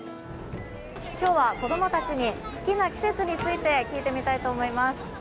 今日は子供たちに好きな季節について聞いてみたいと思います。